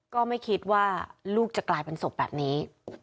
ก็ไม่คิดว่าลูกจะกลายเป็นศพแบบนี้